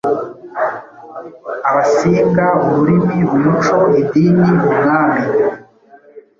Abasinga ururimi, umuco, idini, umwami,